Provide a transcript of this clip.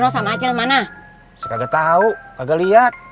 saya kagak tau kagak liat